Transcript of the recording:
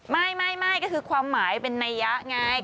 ไม่ก็คือความหมายเป็นนัยยะไง